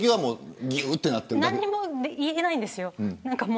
何も言えないんですよ。